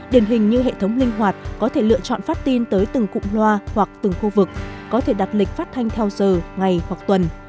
điển hình như hệ thống linh hoạt có thể lựa chọn phát tin tới từng cụm loa hoặc từng khu vực có thể đặt lịch phát thanh theo giờ ngày hoặc tuần